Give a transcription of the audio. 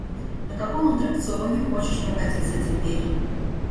На каком аттракционе хочешь прокатиться теперь?